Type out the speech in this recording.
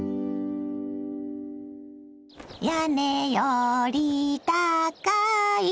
「屋根よりたかい」